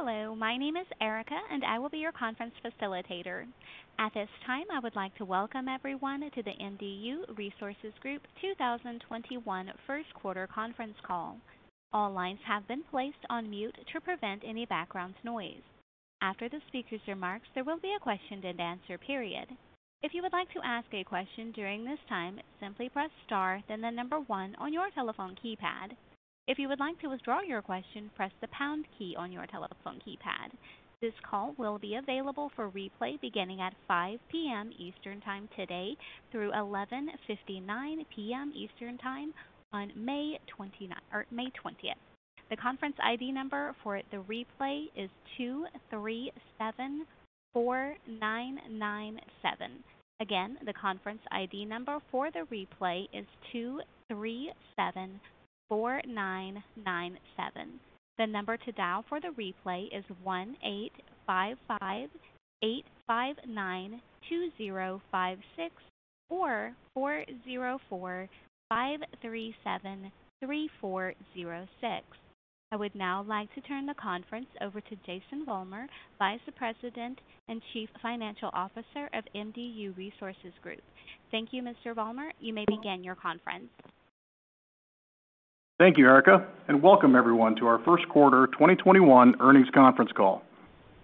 Hello. My name is Erica, and I will be your conference facilitator. At this time, I would like to welcome everyone to the MDU Resources Group 2021 first quarter conference call. All lines have been placed on mute to prevent any background noise. After the speaker's remarks, there will be a question-and-answer period. If you would like to ask a question during this time, simply press star, then the number one on your telephone keypad. If you would like to withdraw your question, press the pound key on your telephone keypad. This call will be available for replay beginning at 5:00 PM Eastern time today through 11:59 PM Eastern time on May 20th. The conference ID number for the replay is 2374997. Again, the conference ID number for the replay is 2374997. The number to dial for the replay is 1-855-859-2056 or 404-537-3406. I would now like to turn the conference over to Jason L. Vollmer, Vice President and Chief Financial Officer of MDU Resources Group. Thank you, Mr. Vollmer. You may begin your conference. Thank you, Erica, and welcome everyone to our first quarter 2021 earnings conference call.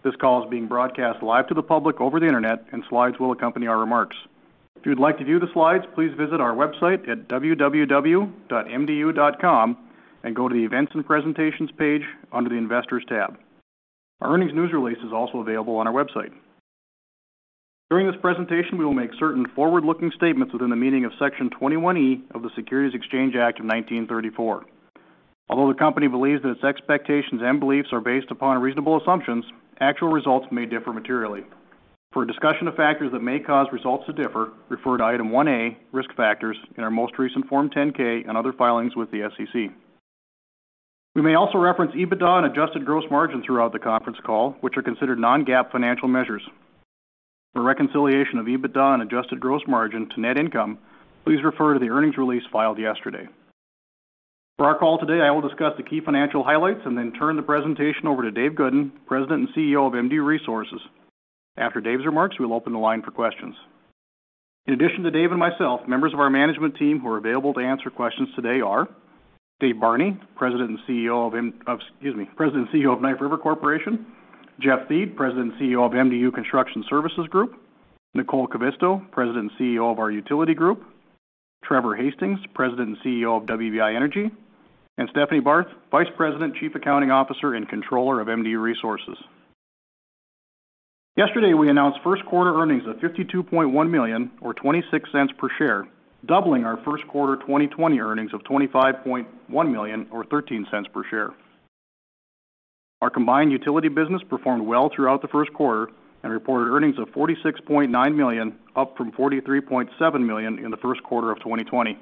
This call is being broadcast live to the public over the internet and slides will accompany our remarks. If you'd like to view the slides, please visit our website at www.mdu.com and go to the Events and Presentations page under the Investors tab. Our earnings news release is also available on our website. During this presentation, we will make certain forward-looking statements within the meaning of Section 21E of the Securities Exchange Act of 1934. Although the company believes that its expectations and beliefs are based upon reasonable assumptions, actual results may differ materially. For a discussion of factors that may cause results to differ, refer to Item 1A, Risk Factors, in our most recent Form 10-K and other filings with the SEC. We may also reference EBITDA and adjusted gross margin throughout the conference call, which are considered non-GAAP financial measures. For reconciliation of EBITDA and adjusted gross margin to net income, please refer to the earnings release filed yesterday. For our call today, I will discuss the key financial highlights and then turn the presentation over to Dave Goodin, President and CEO of MDU Resources. After Dave's remarks, we will open the line for questions. In addition to Dave and myself, members of our management team who are available to answer questions today are Dave Barney, President and CEO of Knife River Corporation; Jeff Thiede, President and CEO of MDU Construction Services Group; Nicole Kivisto, President and CEO of our Utility Group; Trevor Hastings, President and CEO of WBI Energy, and Stephanie Barth, Vice President, Chief Accounting Officer and Controller of MDU Resources. Yesterday, we announced first quarter earnings of $52.1 million, or $0.26 per share, doubling our first quarter 2020 earnings of $25.1 million, or $0.13 per share. Our combined utility business performed well throughout the first quarter and reported earnings of $46.9 million, up from $43.7 million in the first quarter of 2020.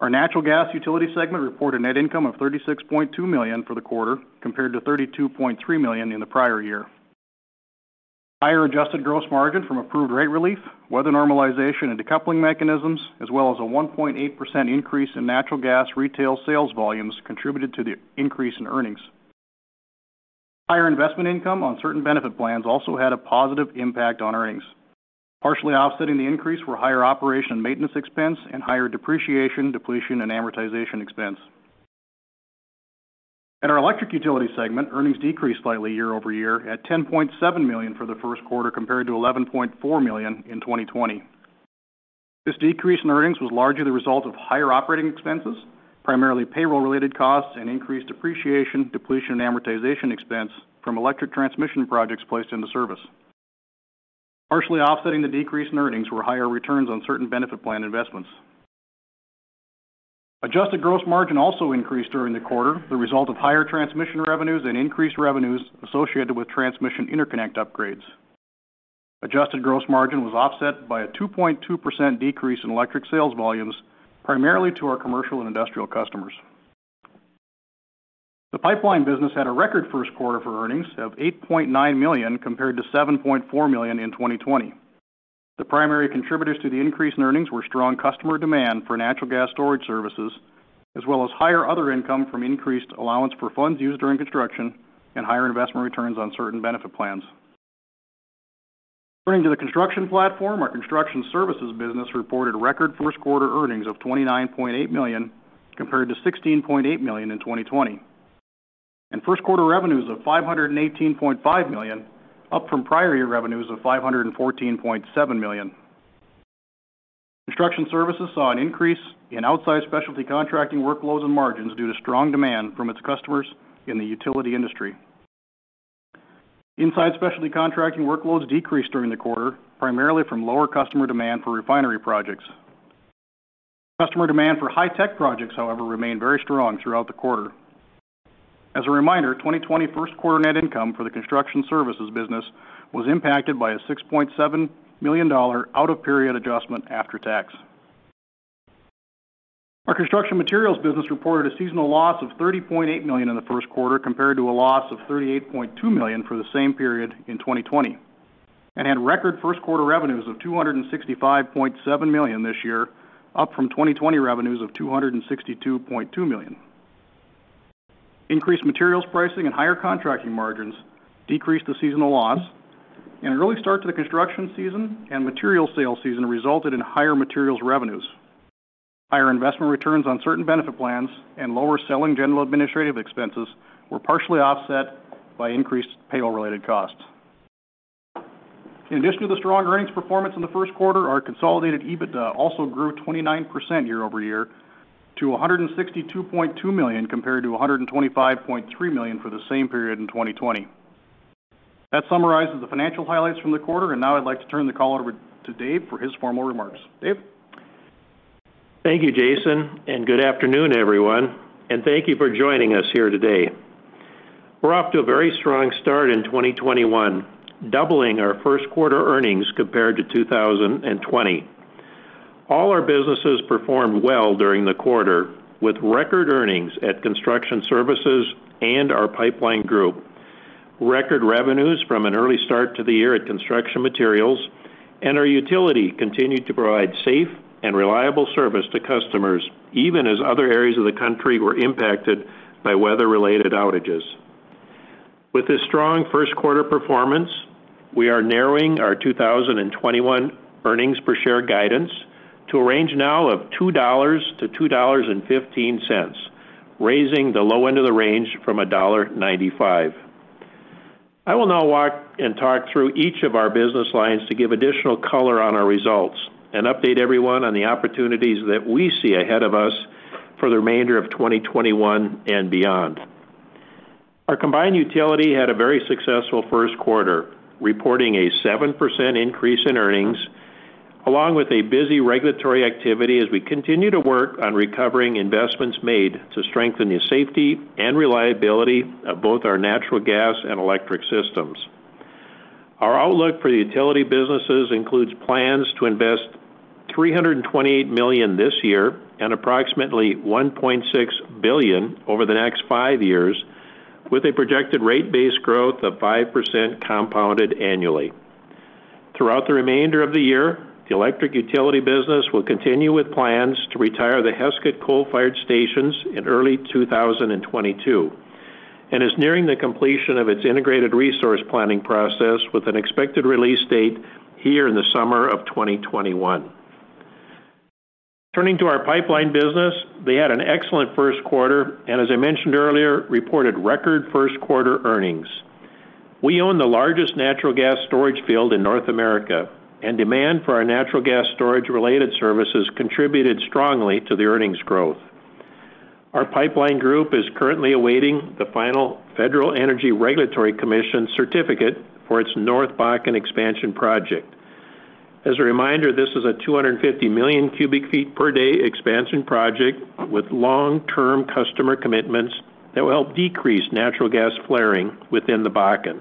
Our natural gas utility segment reported net income of $36.2 million for the quarter, compared to $32.3 million in the prior year. Higher adjusted gross margin from approved rate relief, weather normalization, and decoupling mechanisms, as well as a 1.8% increase in natural gas retail sales volumes contributed to the increase in earnings. Higher investment income on certain benefit plans also had a positive impact on earnings. Partially offsetting the increase were higher operation and maintenance expense and higher depreciation, depletion, and amortization expense. In our Electric Utility segment, earnings decreased slightly year-over-year at $10.7 million for the first quarter, compared to $11.4 million in 2020. This decrease in earnings was largely the result of higher operating expenses, primarily payroll-related costs and increased depreciation, depletion, and amortization expense from electric transmission projects placed into service. Partially offsetting the decrease in earnings were higher returns on certain benefit plan investments. Adjusted gross margin also increased during the quarter, the result of higher transmission revenues and increased revenues associated with transmission interconnect upgrades. Adjusted gross margin was offset by a 2.2% decrease in electric sales volumes, primarily to our commercial and industrial customers. The pipeline business had a record first quarter for earnings of $8.9 million, compared to $7.4 million in 2020. The primary contributors to the increase in earnings were strong customer demand for natural gas storage services, as well as higher other income from increased allowance for funds used during construction and higher investment returns on certain benefit plans. Turning to the construction platform, our Construction Services business reported record first quarter earnings of $29.8 million, compared to $16.8 million in 2020, and first quarter revenues of $518.5 million, up from prior year revenues of $514.7 million. Construction Services saw an increase in outside specialty contracting workloads and margins due to strong demand from its customers in the utility industry. Inside specialty contracting workloads decreased during the quarter, primarily from lower customer demand for refinery projects. Customer demand for high-tech projects, however, remained very strong throughout the quarter. As a reminder, 2020 first quarter net income for the Construction Services was impacted by a $6.7 million out-of-period adjustment after tax. Our Construction Materials reported a seasonal loss of $30.8 million in the first quarter, compared to a loss of $38.2 million for the same period in 2020. Had record first quarter revenues of $265.7 million this year, up from 2020 revenues of $262.2 million. Increased materials pricing and higher contracting margins decreased the seasonal loss. An early start to the construction season and material sales season resulted in higher materials revenues. Higher investment returns on certain benefit plans and lower selling general administrative expenses were partially offset by increased payroll-related costs. In addition to the strong earnings performance in the first quarter, our consolidated EBITDA also grew 29% year-over-year to $162.2 million, compared to $125.3 million for the same period in 2020. That summarizes the financial highlights from the quarter. Now I'd like to turn the call over to Dave for his formal remarks. Dave? Thank you, Jason, good afternoon, everyone, and thank you for joining us here today. We're off to a very strong start in 2021, doubling our first quarter earnings compared to 2020. All our businesses performed well during the quarter, with record earnings at Construction Services and our pipeline group. Record revenues from an early start to the year at Construction Materials and our utility continued to provide safe and reliable service to customers, even as other areas of the country were impacted by weather-related outages. With this strong first quarter performance, we are narrowing our 2021 earnings per share guidance to a range now of $2-$2.15, raising the low end of the range from $1.95. I will now walk and talk through each of our business lines to give additional color on our results and update everyone on the opportunities that we see ahead of us for the remainder of 2021 and beyond. Our combined utility had a very successful first quarter, reporting a 7% increase in earnings, along with a busy regulatory activity as we continue to work on recovering investments made to strengthen the safety and reliability of both our natural gas and electric systems. Our outlook for the utility businesses includes plans to invest $328 million this year and approximately $1.6 billion over the next five years, with a projected rate base growth of 5% compounded annually. Throughout the remainder of the year, the electric utility business will continue with plans to retire the Heskett coal-fired stations in early 2022 and is nearing the completion of its integrated resource planning process with an expected release date here in the summer of 2021. Turning to our pipeline business, they had an excellent first quarter, and as I mentioned earlier, reported record first quarter earnings. We own the largest natural gas storage field in North America, and demand for our natural gas storage-related services contributed strongly to the earnings growth. Our pipeline group is currently awaiting the final Federal Energy Regulatory Commission certificate for its North Bakken Expansion project. As a reminder, this is a 250 million cu ft per day expansion project with long-term customer commitments that will help decrease natural gas flaring within the Bakken.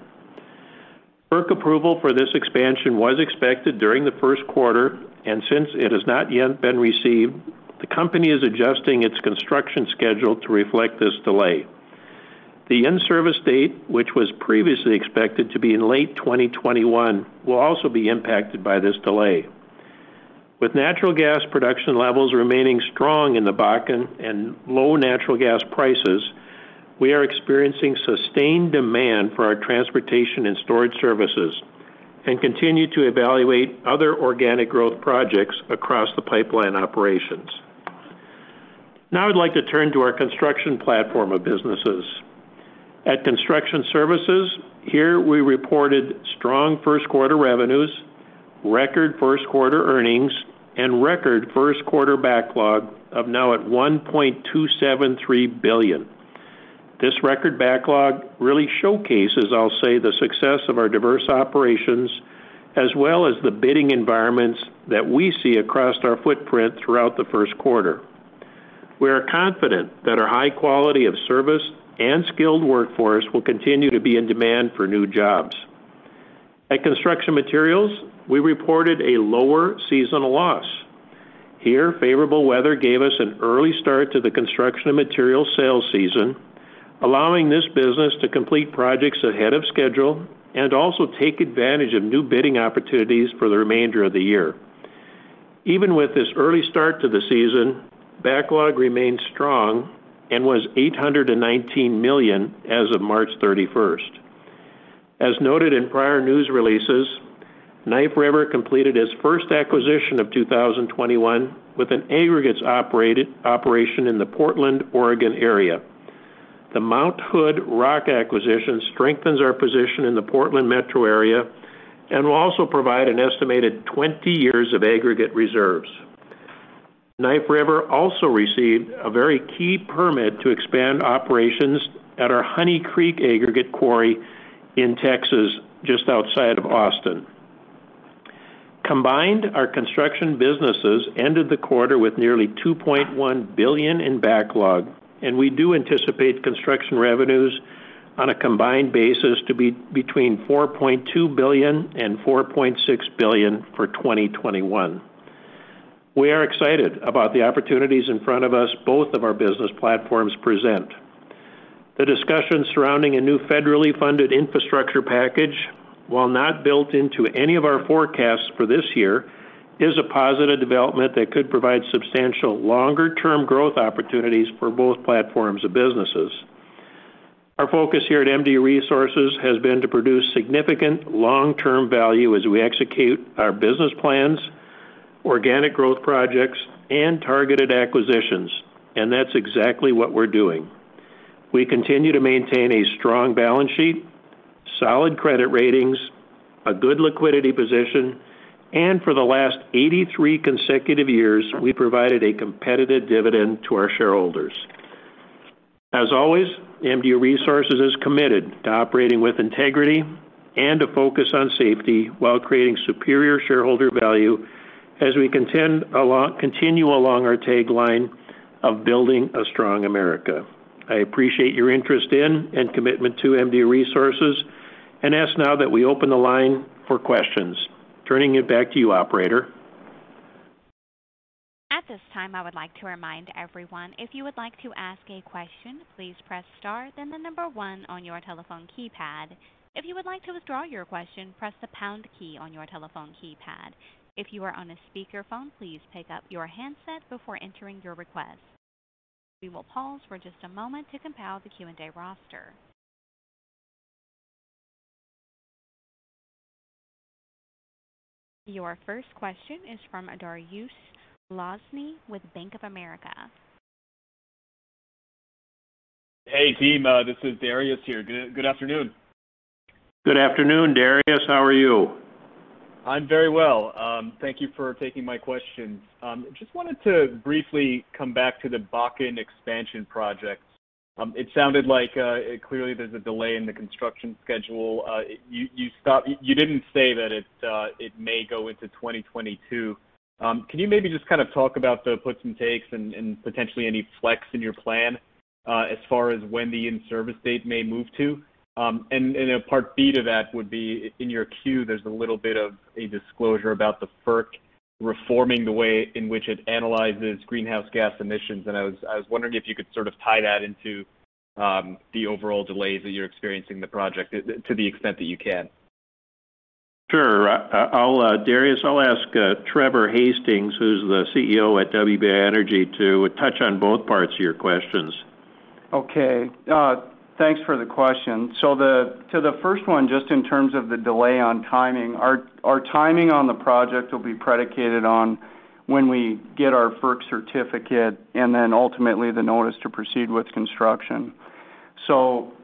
FERC approval for this expansion was expected during the first quarter. Since it has not yet been received, the company is adjusting its construction schedule to reflect this delay. The in-service date, which was previously expected to be in late 2021, will also be impacted by this delay. With natural gas production levels remaining strong in the Bakken and low natural gas prices, we are experiencing sustained demand for our transportation and storage services and continue to evaluate other organic growth projects across the pipeline operations. I'd like to turn to our construction platform of businesses. At Construction Services, here we reported strong first quarter revenues, record first quarter earnings, and record first quarter backlog of now at $1.273 billion. This record backlog really showcases, I'll say, the success of our diverse operations as well as the bidding environments that we see across our footprint throughout the first quarter. We are confident that our high quality of service and skilled workforce will continue to be in demand for new jobs. At Construction Materials, we reported a lower seasonal loss. Here, favorable weather gave us an early start to the construction and material sales season, allowing this business to complete projects ahead of schedule and also take advantage of new bidding opportunities for the remainder of the year. Even with this early start to the season, backlog remained strong and was $819 million as of March 31st. As noted in prior news releases, Knife River completed its first acquisition of 2021 with an aggregates operation in the Portland, Oregon area. The Mt. Hood Rock acquisition strengthens our position in the Portland metro area and will also provide an estimated 20 years of aggregate reserves. Knife River also received a very key permit to expand operations at our Honey Creek aggregate quarry in Texas, just outside of Austin. Combined, our construction businesses ended the quarter with nearly $2.1 billion in backlog, and we do anticipate construction revenues on a combined basis to be between $4.2 billion and $4.6 billion for 2021. We are excited about the opportunities in front of us, both of our business platforms present. The discussion surrounding a new federally funded infrastructure package, while not built into any of our forecasts for this year, is a positive development that could provide substantial longer-term growth opportunities for both platforms of businesses. Our focus here at MDU Resources has been to produce significant long-term value as we execute our business plans, organic growth projects, and targeted acquisitions, and that's exactly what we're doing. We continue to maintain a strong balance sheet, solid credit ratings, a good liquidity position, and for the last 83 consecutive years, we provided a competitive dividend to our shareholders. As always, MDU Resources is committed to operating with integrity and a focus on safety while creating superior shareholder value as we continue along our tagline of Building a Strong America. I appreciate your interest in and commitment to MDU Resources, and ask now that we open the line for questions. Turning it back to you, operator. At this time, I would like to remind everyone, if you would like to ask a question, please press star, then the number one on your telephone keypad. If you would like to withdraw your question, press the pound key on your telephone keypad. If you are on a speakerphone, please pick up your handset before entering your request. We will pause for just a moment to compile the Q&A roster. Your first question is from Dariusz Lozny with Bank of America. Hey, team. This is Dariusz here. Good afternoon. Good afternoon, Dariusz. How are you? I'm very well. Thank you for taking my question. Wanted to briefly come back to the North Bakken Expansion project. It sounded like clearly there's a delay in the construction schedule. You didn't say that it may go into 2022. Can you maybe just talk about the puts and takes and potentially any flex in your plan as far as when the in-service date may move to? A part B to that would be, in your Q, there's a little bit of a disclosure about the FERC reforming the way in which it analyzes greenhouse gas emissions, and I was wondering if you could sort of tie that into the overall delays that you're experiencing in the project to the extent that you can. Sure. Dariusz, I'll ask Trevor Hastings, who's the CEO at WBI Energy, to touch on both parts of your questions. Thanks for the question. To the first one, just in terms of the delay on timing, our timing on the project will be predicated on when we get our FERC certificate and then ultimately the notice to proceed with construction.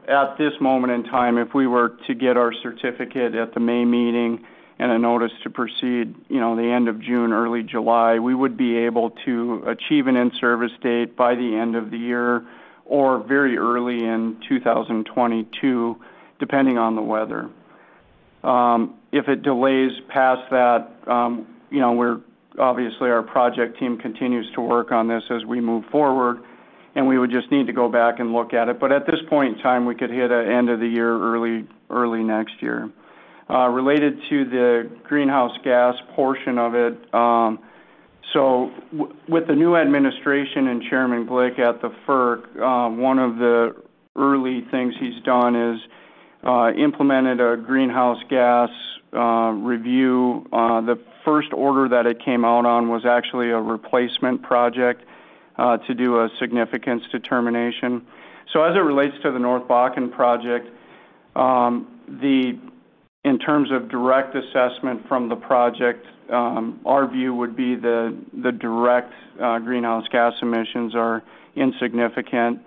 At this moment in time, if we were to get our certificate at the May meeting and a notice to proceed the end of June, early July, we would be able to achieve an in-service date by the end of the year or very early in 2022, depending on the weather. If it delays past that, obviously our project team continues to work on this as we move forward, and we would just need to go back and look at it. At this point in time, we could hit an end of the year, early next year. Related to the greenhouse gas portion of it. With the new administration and Chairman Glick at the FERC, one of the early things he's done is implemented a greenhouse gas review. The first order that it came out on was actually a replacement project to do a significance determination. As it relates to the North Bakken project, in terms of direct assessment from the project, our view would be the direct greenhouse gas emissions are insignificant.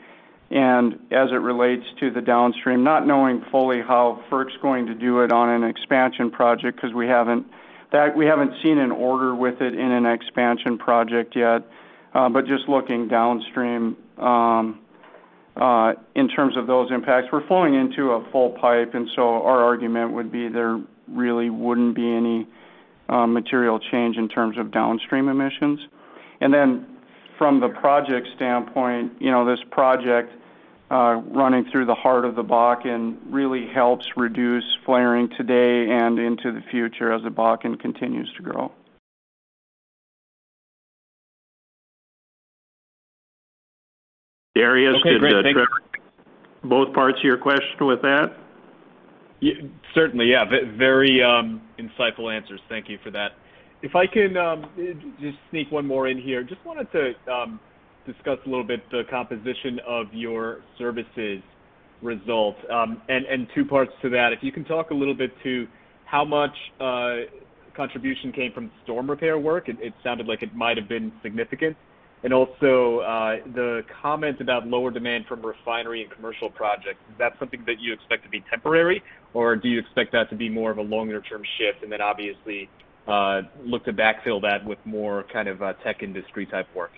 As it relates to the downstream, not knowing fully how FERC's going to do it on an expansion project, because we haven't seen an order with it in an expansion project yet. Just looking downstream in terms of those impacts, we're flowing into a full pipe, our argument would be there really wouldn't be any material change in terms of downstream emissions. Then from the project standpoint, this project running through the heart of the Bakken really helps reduce flaring today and into the future as the Bakken continues to grow. Dariusz- Okay, great. Thanks. Did Trevor answer both parts of your question with that? Certainly, yeah. Very insightful answers. Thank you for that. If I can just sneak one more in here. Just wanted to discuss a little bit the composition of your services results. And two parts to that. If you can talk a little bit to how much contribution came from storm repair work. It sounded like it might have been significant. Also, the comment about lower demand from refinery and commercial projects, is that something that you expect to be temporary, or do you expect that to be more of a longer-term shift and then obviously look to backfill that with more tech industry type work?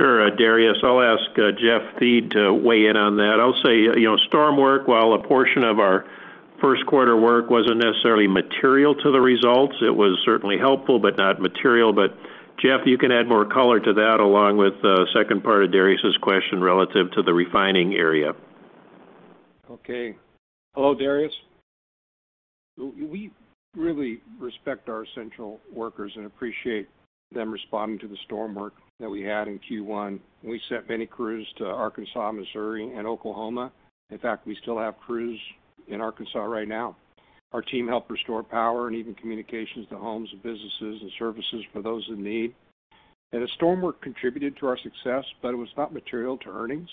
Sure. Dariusz, I'll ask Jeff Thiede to weigh in on that. I'll say storm work, while a portion of our first quarter work wasn't necessarily material to the results, it was certainly helpful, but not material. Jeff, you can add more color to that, along with the second part of Dariusz's question relative to the refining area. Okay. Hello, Dariusz. We really respect our essential workers and appreciate them responding to the storm work that we had in Q1. We sent many crews to Arkansas, Missouri, and Oklahoma. In fact, we still have crews in Arkansas right now. Our team helped restore power and even communications to homes and businesses and services for those in need. The storm work contributed to our success, but it was not material to earnings.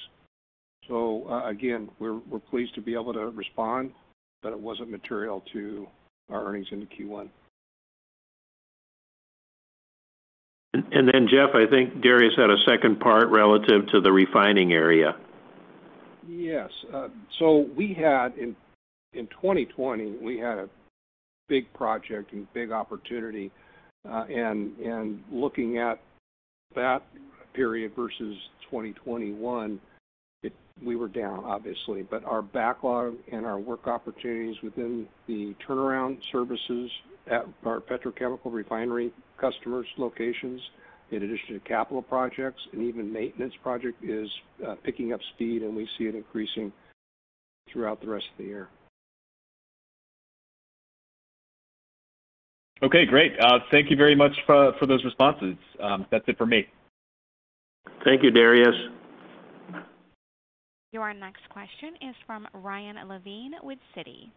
Again, we're pleased to be able to respond, but it wasn't material to our earnings into Q1. Jeff, I think Dariusz had a second part relative to the refining area. Yes. In 2020, we had a big project and big opportunity. Looking at that period versus 2021, we were down obviously, but our backlog and our work opportunities within the turnaround services at our petrochemical refinery customers locations, in addition to capital projects and even maintenance project, is picking up speed, and we see it increasing throughout the rest of the year. Okay, great. Thank you very much for those responses. That's it for me. Thank you, Dariusz. Your next question is from Ryan Levine with Citi.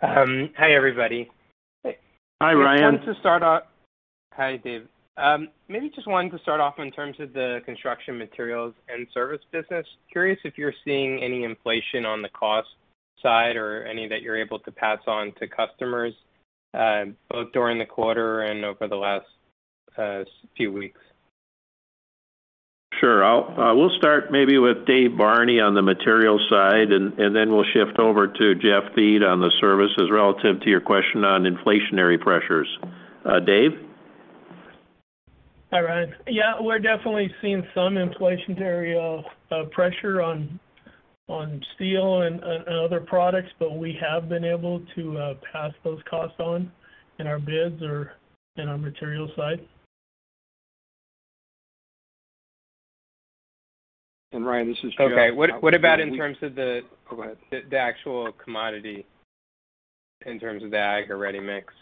Hi, everybody. Hi, Ryan. Maybe just wanted to start off in terms of the construction materials and service business. Curious if you're seeing any inflation on the cost side or any that you're able to pass on to customers, both during the quarter and over the last few weeks? Sure. We'll start maybe with Dave Barney on the material side. Then we'll shift over to Jeff Thiede on the services relative to your question on inflationary pressures. Dave? Hi, Ryan. Yeah, we're definitely seeing some inflationary pressure on steel and other products, but we have been able to pass those costs on in our bids or in our material side. Ryan, this is Jeff. Okay. What about in terms of? Go ahead. the actual commodity in terms of the agg or ready-mix,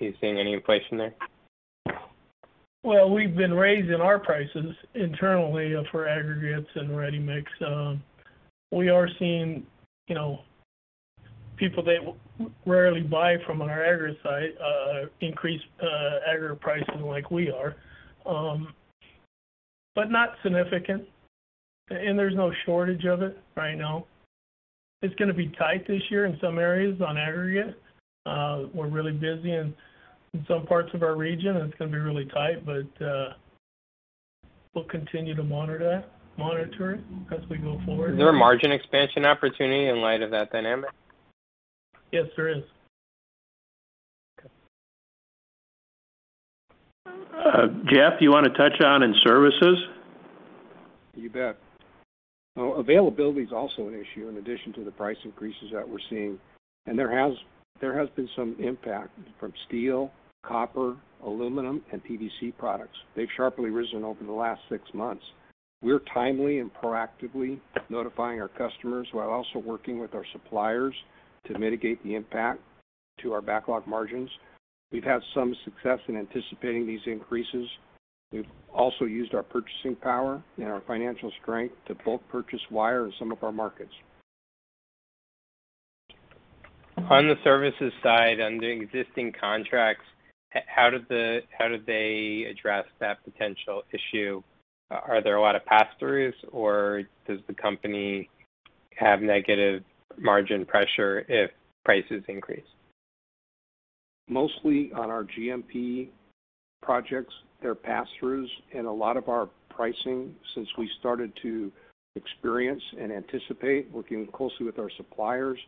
are you seeing any inflation there? Well, we've been raising our prices internally for aggregates and ready-mix. We are seeing people that rarely buy from our agg site increase agg pricing like we are. Not significant, and there's no shortage of it right now. It's going to be tight this year in some areas on aggregate. We're really busy in some parts of our region, and it's going to be really tight. We'll continue to monitor it as we go forward. Is there a margin expansion opportunity in light of that dynamic? Yes, there is. Okay. Jeff, you want to touch on in services? You bet. Availability is also an issue in addition to the price increases that we're seeing. There has been some impact from steel, copper, aluminum, and PVC products. They've sharply risen over the last six months. We're timely and proactively notifying our customers while also working with our suppliers to mitigate the impact to our backlog margins. We've had some success in anticipating these increases. We've also used our purchasing power and our financial strength to bulk purchase wire in some of our markets. On the services side, on the existing contracts, how do they address that potential issue? Are there a lot of pass-throughs, or does the company have negative margin pressure if prices increase? Mostly on our GMP projects, they're pass-throughs. A lot of our pricing, since we started to experience and anticipate working closely with our suppliers,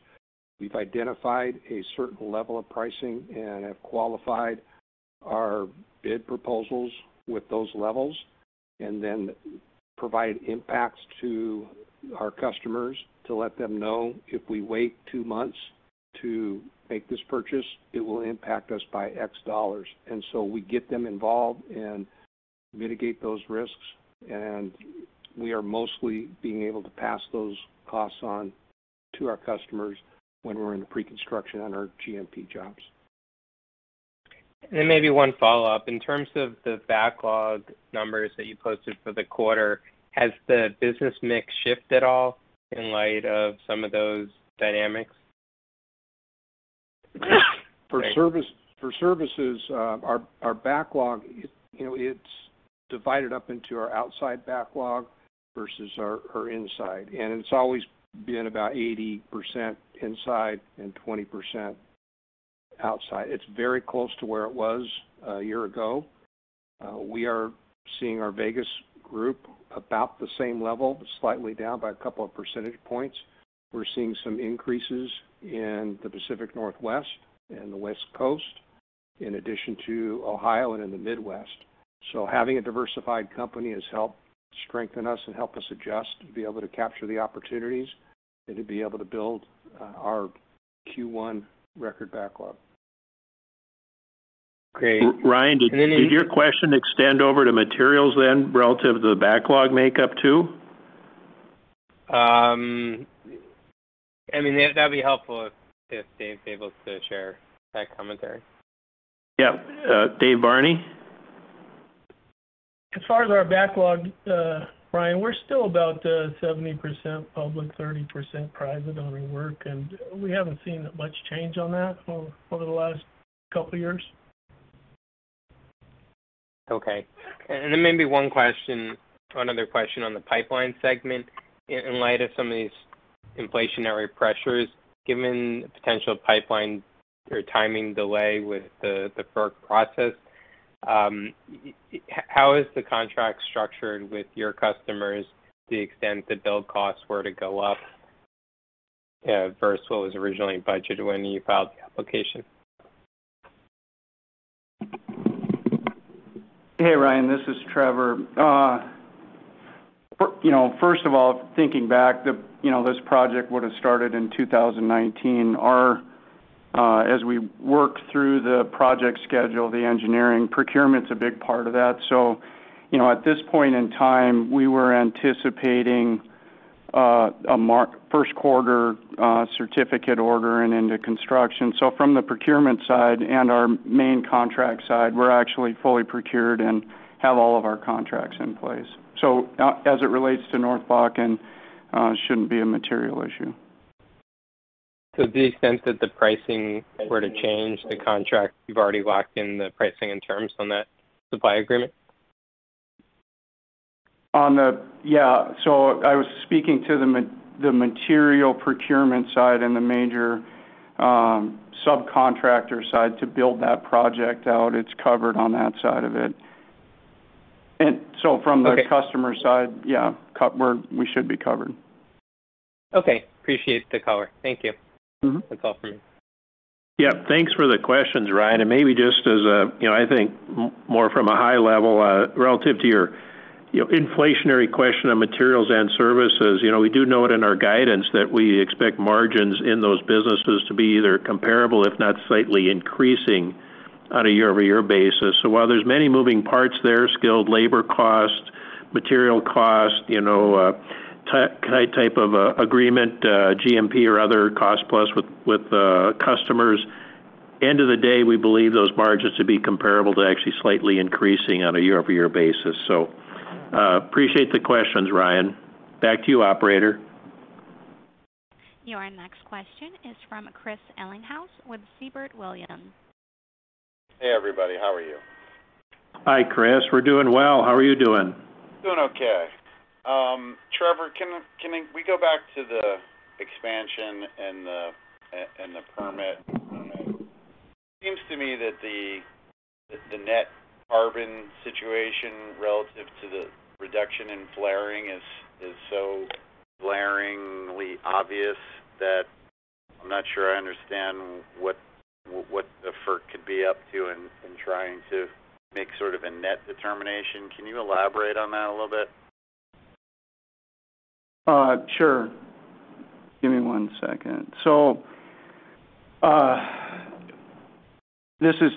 we've identified a certain level of pricing and have qualified our bid proposals with those levels, and then provide impacts to our customers to let them know if we wait two months to make this purchase, it will impact us by X dollars. We get them involved and mitigate those risks, and we are mostly being able to pass those costs on to our customers when we're in the pre-construction on our GMP jobs. Then maybe one follow-up. In terms of the backlog numbers that you posted for the quarter, has the business mix shifted at all in light of some of those dynamics? For services, our backlog, it's divided up into our outside backlog versus our inside. It's always been about 80% inside and 20% outside. It's very close to where it was a year ago. We are seeing our Vegas group about the same level, but slightly down by a couple of percentage points. We're seeing some increases in the Pacific Northwest and the West Coast, in addition to Ohio and in the Midwest. Having a diversified company has helped strengthen us and help us adjust to be able to capture the opportunities and to be able to build our Q1 record backlog. Great. Ryan, did your question extend over to materials then, relative to the backlog makeup too? That'd be helpful if Dave's able to share that commentary. Yeah. Dave Barney? As far as our backlog, Ryan, we're still about 70% public, 30% private-owning work, and we haven't seen much change on that over the last couple of years. Okay. Then maybe one question, another question on the pipeline segment. In light of some of these inflationary pressures, given potential pipeline or timing delay with the FERC process, how is the contract structured with your customers to the extent the build costs were to go up versus what was originally budgeted when you filed the application? Hey, Ryan, this is Trevor. Thinking back, this project would've started in 2019. As we worked through the project schedule, the engineering, procurement's a big part of that. At this point in time, we were anticipating a first quarter certificate order and into construction. From the procurement side and our main contract side, we're actually fully procured and have all of our contracts in place. As it relates to North Bakken, shouldn't be a material issue. To the extent that the pricing were to change the contract, you've already locked in the pricing and terms on the supply agreement? I was speaking to the material procurement side and the major subcontractor side to build that project out. It's covered on that side of it. From the customer side, we should be covered. Okay. Appreciate the color. Thank you. That's all for me. Yeah. Thanks for the questions, Ryan. Maybe just I think more from a high level, relative to your inflationary question on materials and services. We do note in our guidance that we expect margins in those businesses to be either comparable, if not slightly increasing on a year-over-year basis. While there's many moving parts there, skilled labor cost, material cost, type of agreement, GMP or other cost plus with customers. End of the day, we believe those margins to be comparable to actually slightly increasing on a year-over-year basis. Appreciate the questions, Ryan. Back to you, operator. Your next question is from Chris Ellinghaus with Siebert Williams. Hey, everybody. How are you? Hi, Chris. We're doing well. How are you doing? Doing okay. Trevor, can we go back to the expansion and the permit? It seems to me that the net carbon situation relative to the reduction in flaring is so glaringly obvious that I am not sure I understand what the FERC could be up to in trying to make sort of a net determination. Can you elaborate on that a little bit? Sure. Give me one second. This is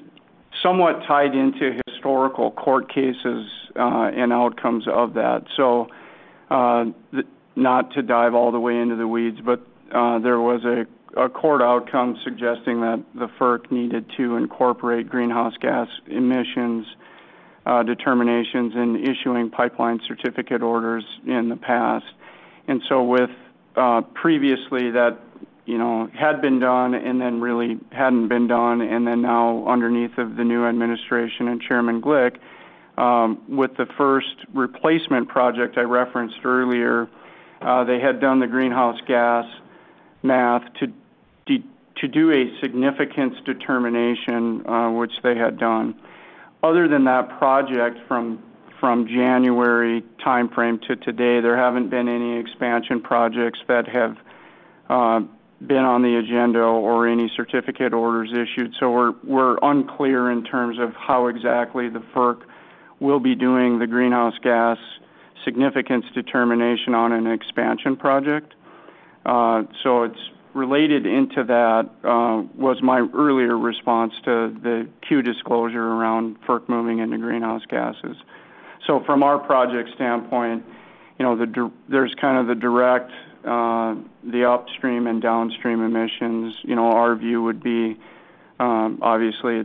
somewhat tied into historical court cases and outcomes of that. Not to dive all the way into the weeds, but there was a court outcome suggesting that the FERC needed to incorporate greenhouse gas emissions determinations in issuing pipeline certificate orders in the past. With previously that had been done and then really hadn't been done, and then now underneath of the new administration and Chairman Glick, with the first replacement project I referenced earlier, they had done the greenhouse gas math to do a significance determination, which they had done. Other than that project from January timeframe to today, there haven't been any expansion projects that have been on the agenda or any certificate orders issued. We're unclear in terms of how exactly the FERC will be doing the greenhouse gas significance determination on an expansion project. It's related into that was my earlier response to the Q disclosure around FERC moving into greenhouse gases. From our project standpoint, there's kind of the direct, the upstream and downstream emissions. Our view would be, obviously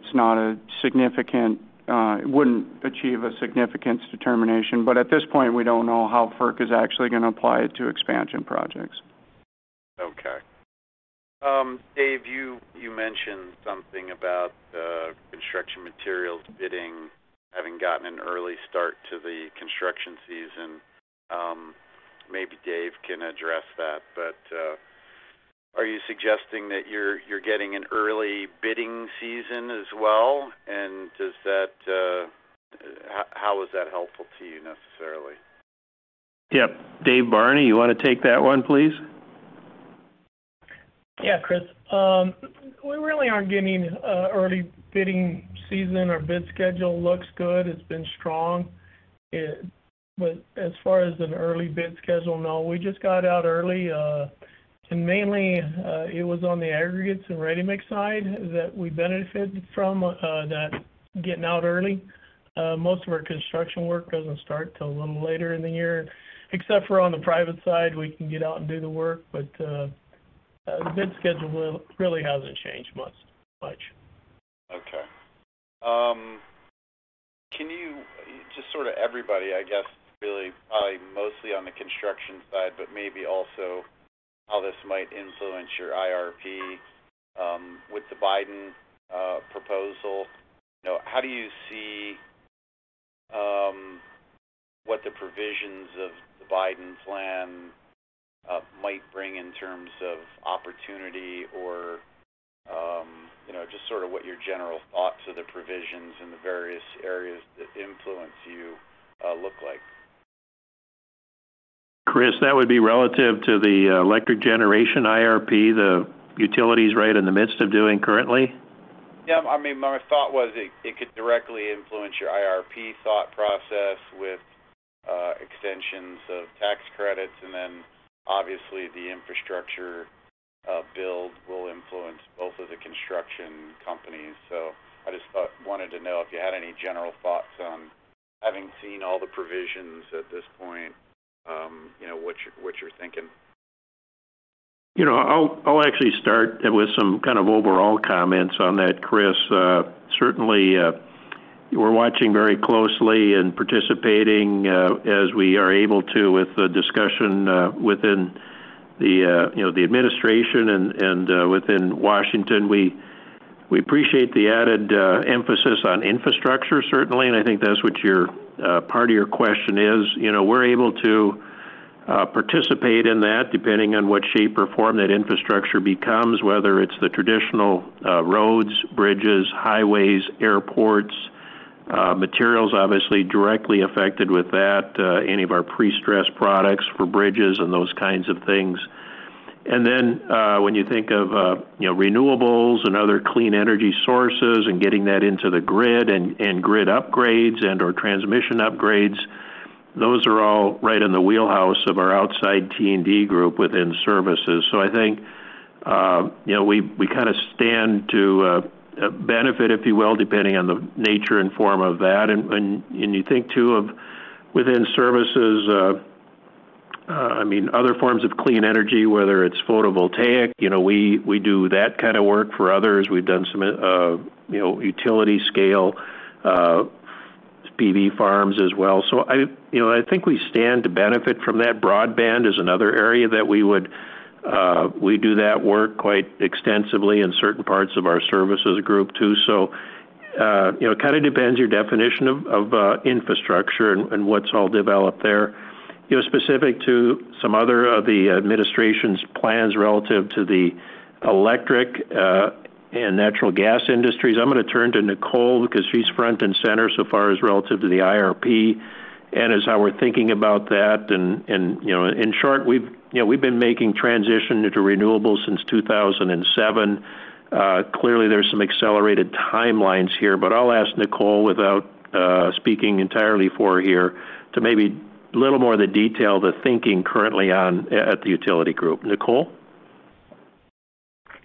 it wouldn't achieve a significance determination. At this point, we don't know how FERC is actually going to apply it to expansion projects. Okay. Dave, you mentioned something about construction materials bidding having gotten an early start to the construction season. Maybe Dave can address that. Are you suggesting that you're getting an early bidding season as well? How is that helpful to you necessarily? Yep. Dave Barney, you want to take that one, please? Yeah, Chris. We really aren't getting early bidding season. Our bid schedule looks good. It's been strong. As far as an early bid schedule, no. We just got out early, and mainly, it was on the aggregates and ready-mix side that we benefited from that getting out early. Most of our construction work doesn't start till a little later in the year, except for on the private side, we can get out and do the work. The bid schedule really hasn't changed much. Okay. Can you, just sort of everybody, I guess, really probably mostly on the construction side, but maybe also how this might influence your IRP, with the Biden proposal? How do you see what the provisions of the Biden plan might bring in terms of opportunity or, just sort of what your general thoughts of the provisions in the various areas that influence you look like? Chris, that would be relative to the electric generation IRP, the utilities right in the midst of doing currently? Yeah. My thought was it could directly influence your IRP thought process with extensions of tax credits, and then obviously the infrastructure build will influence both of the construction companies. I just wanted to know if you had any general thoughts on having seen all the provisions at this point, what you're thinking. I'll actually start with some kind of overall comments on that, Chris. Certainly, we're watching very closely and participating, as we are able to with the discussion within the administration and within Washington. We appreciate the added emphasis on infrastructure, certainly, and I think that's what part of your question is. We're able to participate in that depending on what shape or form that infrastructure becomes, whether it's the traditional roads, bridges, highways, airports. Materials obviously directly affected with that. Any of our pre-stressed products for bridges and those kinds of things. Then, when you think of renewables and other clean energy sources and getting that into the grid and grid upgrades and/or transmission upgrades, those are all right in the wheelhouse of our outside T&D group within services. So I think, we kind of stand to benefit, if you will, depending on the nature and form of that. You think too of within services, other forms of clean energy, whether it's photovoltaic. We do that kind of work for others. We've done some utility scale PV farms as well. I think we stand to benefit from that. Broadband is another area that we do that work quite extensively in certain parts of our services group too. It kind of depends your definition of infrastructure and what's all developed there. Specific to some other of the administration's plans relative to the electric and natural gas industries, I'm going to turn to Nicole because she's front and center so far as relative to the IRP and as how we're thinking about that. In short, we've been making transition into renewables since 2007. Clearly, there's some accelerated timelines here. I'll ask Nicole without speaking entirely for her here to maybe a little more of the detail, the thinking currently at the utility group. Nicole?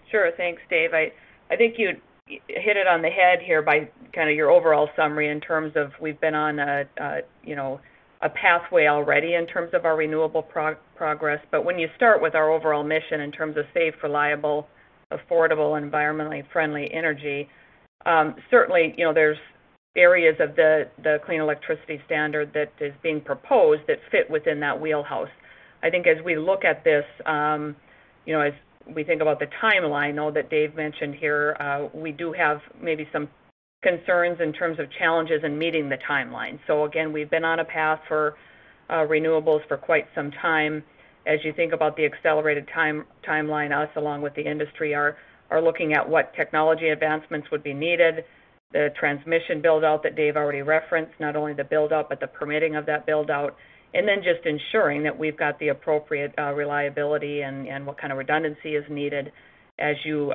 Sure. Thanks, Dave. I think you hit it on the head here by kind of your overall summary in terms of we've been on a pathway already in terms of our renewable progress. When you start with our overall mission in terms of safe, reliable, affordable, and environmentally friendly energy, certainly, there's areas of the clean electricity standard that is being proposed that fit within that wheelhouse. I think as we look at this, as we think about the timeline, though, that Dave mentioned here, we do have maybe some concerns in terms of challenges in meeting the timeline. Again, we've been on a path for renewables for quite some time. As you think about the accelerated timeline, us, along with the industry, are looking at what technology advancements would be needed, the transmission build-out that Dave already referenced, not only the build-out, but the permitting of that build-out, and then just ensuring that we've got the appropriate reliability and what kind of redundancy is needed as you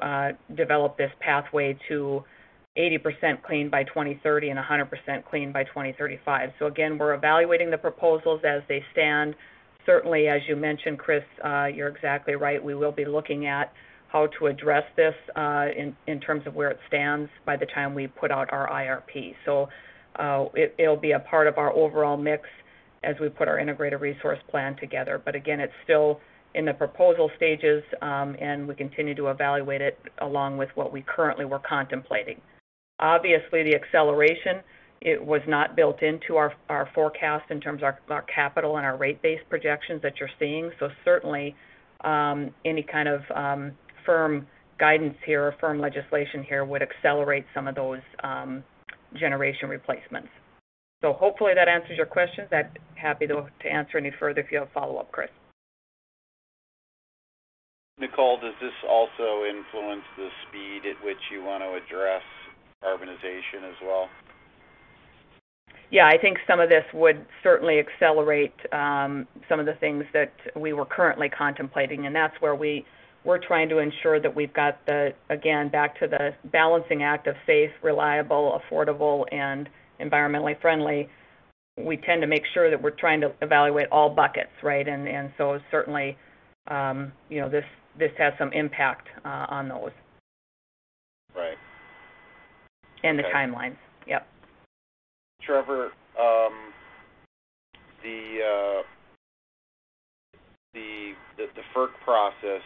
develop this pathway to 80% clean by 2030 and 100% clean by 2035. Again, we're evaluating the proposals as they stand. Certainly, as you mentioned, Chris, you're exactly right. We will be looking at how to address this, in terms of where it stands by the time we put out our IRP. It'll be a part of our overall mix as we put our integrated resource plan together. Again, it's still in the proposal stages, and we continue to evaluate it along with what we currently were contemplating. Obviously, the acceleration, it was not built into our forecast in terms of our capital and our rate base projections that you're seeing. Certainly, any kind of firm guidance here or firm legislation here would accelerate some of those generation replacements. Hopefully that answers your questions. I'd be happy to answer any further if you have follow-up, Chris. Nicole, does this also influence the speed at which you want to address carbonization as well? I think some of this would certainly accelerate some of the things that we were currently contemplating, and that's where we're trying to ensure that we've got the, again, back to the balancing act of safe, reliable, affordable, and environmentally friendly. We tend to make sure that we're trying to evaluate all buckets. Right? Certainly, this has some impact on those. Right. The timelines. Yep. Trevor, the FERC process,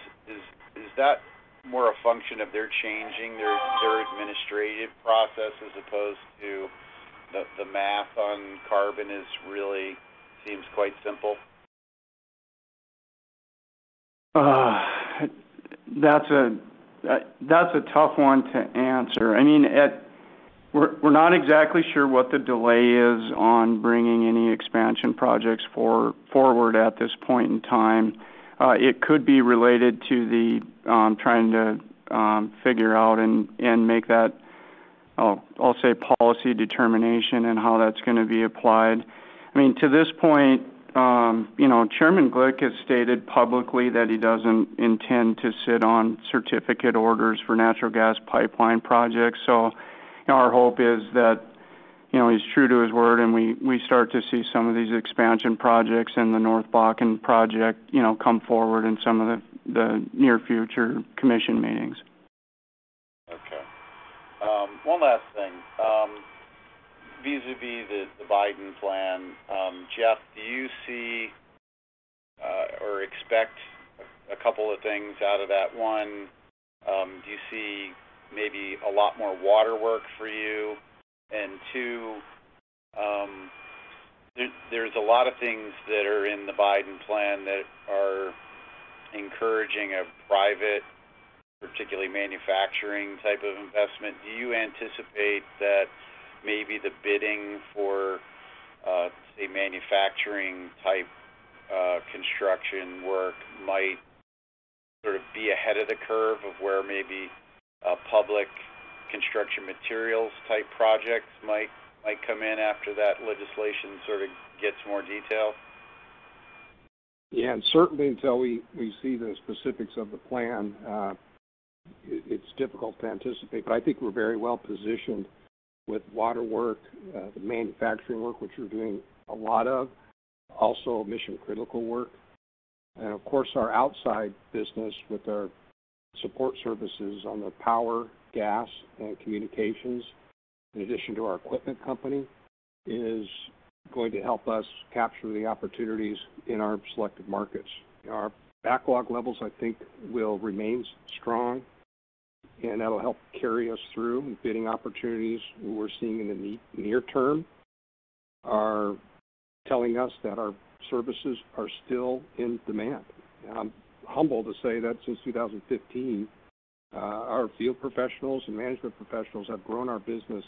is that more a function of their changing their administrative process as opposed to the math on carbon seems quite simple? That's a tough one to answer. We're not exactly sure what the delay is on bringing any expansion projects forward at this point in time. It could be related to the trying to figure out and make that, I'll say, policy determination and how that's going to be applied. To this point, Chairman Glick has stated publicly that he doesn't intend to sit on certificate orders for natural gas pipeline projects. Our hope is that he's true to his word and we start to see some of these expansion projects and the North Bakken project come forward in some of the near future commission meetings. Okay. One last thing. Vis-a-vis the Biden plan, Jeff, do you see or expect a couple of things out of that? One, do you see maybe a lot more water work for you? Two, there's a lot of things that are in the Biden plan that are encouraging a private, particularly manufacturing type of investment. Do you anticipate that maybe the bidding for, say, manufacturing type construction work might sort of be ahead of the curve of where maybe public construction materials type projects might come in after that legislation sort of gets more detail? Yeah. Certainly until we see the specifics of the plan, it's difficult to anticipate. I think we're very well positioned with water work, the manufacturing work, which we're doing a lot of, also mission-critical work. Of course, our outside business with our support services on the power, gas, and communications, in addition to our equipment company, is going to help us capture the opportunities in our selected markets. Our backlog levels, I think will remain strong, and that'll help carry us through. Bidding opportunities we're seeing in the near term are telling us that our services are still in demand. I'm humble to say that since 2015, our field professionals and management professionals have grown our business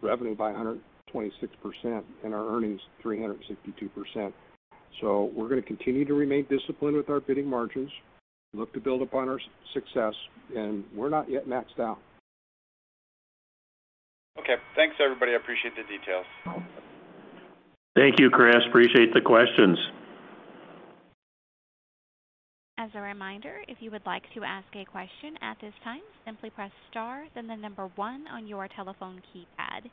revenue by 126% and our earnings 362%. We're going to continue to remain disciplined with our bidding margins, look to build upon our success, and we're not yet maxed out. Okay. Thanks, everybody. I appreciate the details. Thank you, Chris. Appreciate the questions. As a reminder, if you would like to ask a question at this time, simply press star, then the number one your telephone keypad.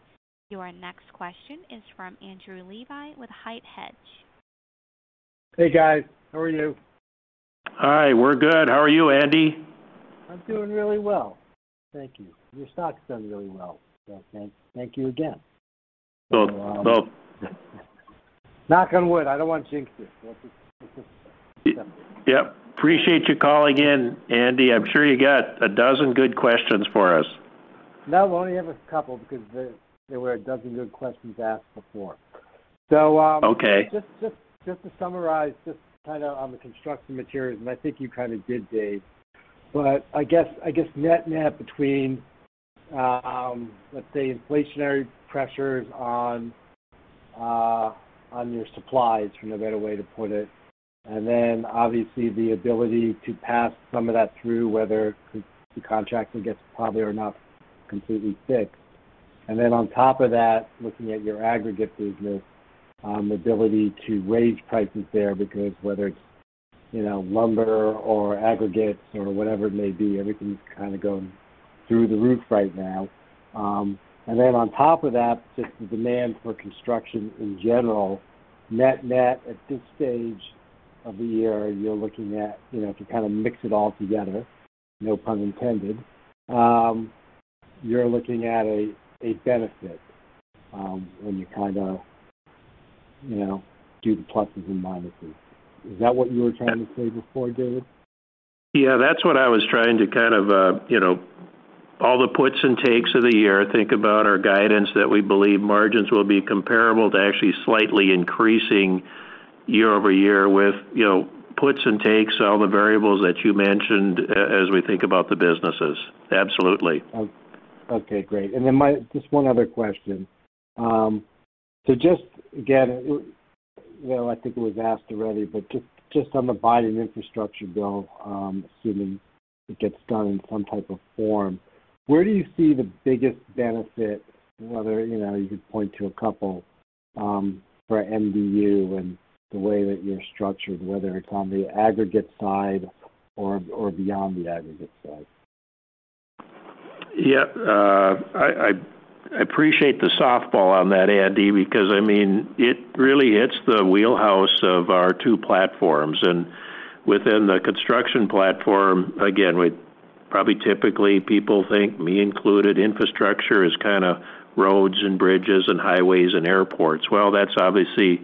Your next question is from Andrew Levi with Hite Hedge. Hey, guys. How are you? Hi. We're good. How are you, Andy? I'm doing really well. Thank you. Your stock's done really well. Thank you again. Good. Knock on wood. I don't want to jinx it. Yep. Appreciate you calling in, Andy. I'm sure you got a dozen good questions for us. No, I only have a couple because there were a dozen good questions asked before. Okay. Just to summarize, just on the construction materials, and I think you kind of did, Dave, but I guess net between, let's say, inflationary pressures on your supplies, for the better way to put it, and then obviously the ability to pass some of that through, whether the contracting gets probably or not completely fixed. On top of that, looking at your aggregate business, ability to raise prices there because whether it's lumber or aggregates or whatever it may be, everything's kind of going through the roof right now. On top of that, just the demand for construction in general, net at this stage of the year, you're looking at, to kind of mix it all together, no pun intended, you're looking at a benefit when you do the pluses and minuses. Is that what you were trying to say before, David? Yeah, all the puts and takes of the year, think about our guidance that we believe margins will be comparable to actually slightly increasing year-over-year with puts and takes, all the variables that you mentioned as we think about the businesses. Absolutely. Okay, great. Then just one other question. Just, again, I think it was asked already, but just on the Biden infrastructure bill, assuming it gets done in some type of form, where do you see the biggest benefit, whether you could point to a couple, for MDU and the way that you're structured, whether it's on the aggregate side or beyond the aggregate side? I appreciate the softball on that, Andy, because it really hits the wheelhouse of our two platforms. Within the construction platform, again, probably typically people think, me included, infrastructure as kind of roads and bridges and highways and airports. That's obviously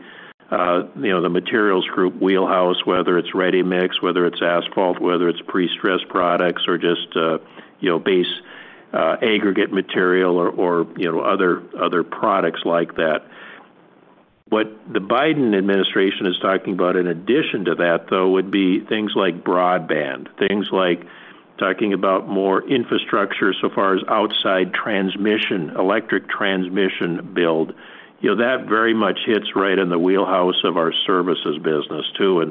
the materials group wheelhouse, whether it's ready-mix, whether it's asphalt, whether it's pre-stressed products or just base aggregate material or other products like that. What the Biden administration is talking about in addition to that, though, would be things like broadband, things like talking about more infrastructure so far as outside transmission, electric transmission build. That very much hits right in the wheelhouse of our services business, too.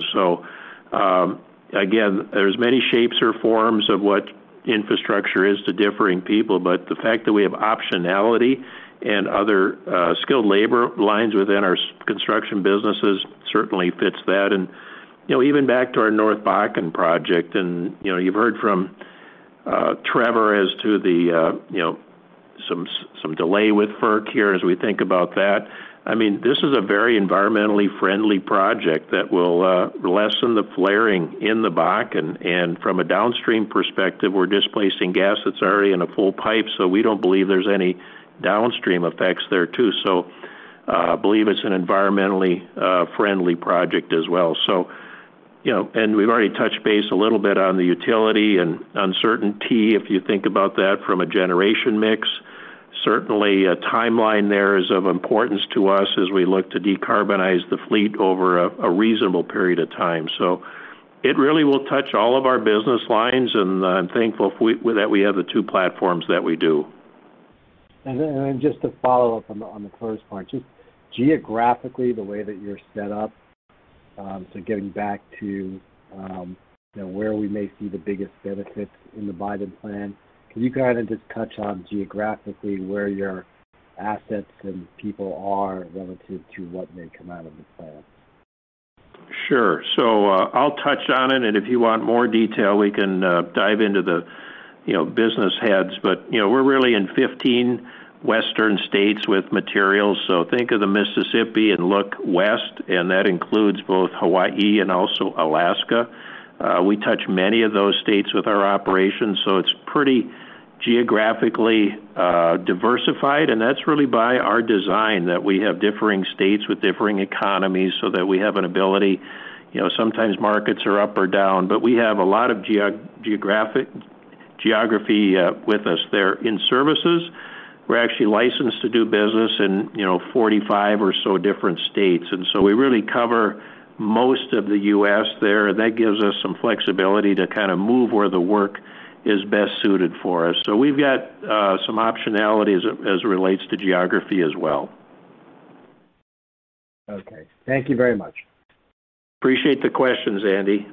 Again, there's many shapes or forms of what infrastructure is to differing people, but the fact that we have optionality and other skilled labor lines within our construction businesses certainly fits that. Even back to our North Bakken project, and you've heard from Trevor as to some delay with FERC here as we think about that. This is a very environmentally friendly project that will lessen the flaring in the Bakken, and from a downstream perspective, we're displacing gas that's already in a full pipe, so we don't believe there's any downstream effects there, too. Believe it's an environmentally friendly project as well. We've already touched base a little bit on the utility and uncertainty, if you think about that from a generation mix. Certainly a timeline there is of importance to us as we look to decarbonize the fleet over a reasonable period of time. It really will touch all of our business lines, and I'm thankful that we have the two platforms that we do. Just to follow up on the first part, just geographically the way that you're set up, so getting back to where we may see the biggest benefits in the Biden plan, can you kind of just touch on geographically where your assets and people are relative to what may come out of this plan? Sure. I'll touch on it, and if you want more detail, we can dive into the business heads. We're really in 15 western states with materials, so think of the Mississippi and look West, and that includes both Hawaii and also Alaska. We touch many of those states with our operations, so it's pretty geographically diversified, and that's really by our design that we have differing states with differing economies so that we have an ability. Sometimes markets are up or down, but we have a lot of geography with us there. In services, we're actually licensed to do business in 45 or so different states. We really cover most of the U.S. there. That gives us some flexibility to kind of move where the work is best suited for us. We've got some optionality as it relates to geography as well. Okay. Thank you very much. Appreciate the questions, Andy.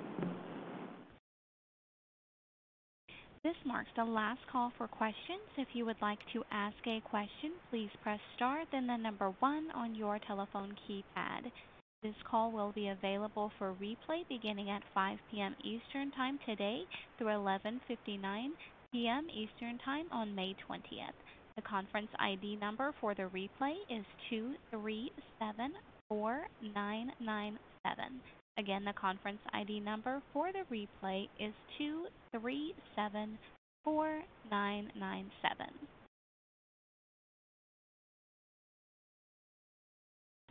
This marks the last call for questions. If you would like to ask a question, please press star then the number one on your telephone keypad. This call will be available for replay beginning at 5:00 PM Eastern time today through 11:59 PM Eastern time on May 20th. The conference ID number for the replay is 2374997. Again, the conference ID number for the replay is 2374997.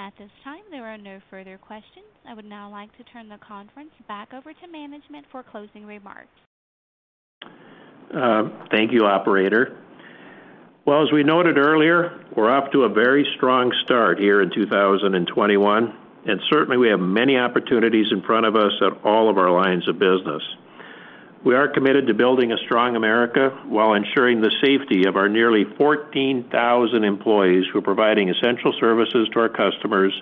At this time, there are no further questions. I would now like to turn the conference back over to management for closing remarks. Thank you, operator. Well, as we noted earlier, we're off to a very strong start here in 2021, and certainly we have many opportunities in front of us at all of our lines of business. We are committed to building a strong America while ensuring the safety of our nearly 14,000 employees who are providing essential services to our customers,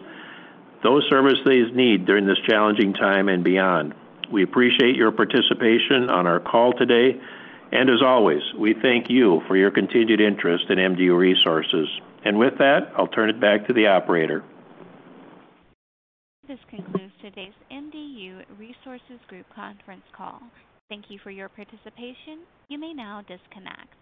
those services need during this challenging time and beyond. We appreciate your participation on our call today, and as always, we thank you for your continued interest in MDU Resources. With that, I'll turn it back to the operator. This concludes today's MDU Resources Group conference call. Thank you for your participation. You may now disconnect.